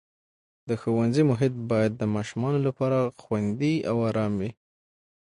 د ښوونځي محیط باید د ماشومانو لپاره خوندي او ارام وي.